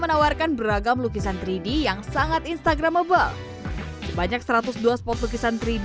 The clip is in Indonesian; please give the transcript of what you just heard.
menyebarkan beragam lukisan tiga d yang sangat instagram mobile banyak satu ratus dua sport lukisan tiga d